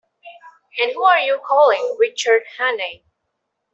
And who are you calling Richard Hannay?